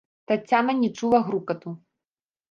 Таццяна не чула грукату.